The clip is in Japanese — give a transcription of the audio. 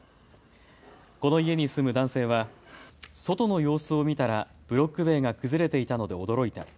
この家に住む男性は外の様子を見たらブロック塀が崩れていたので驚いた。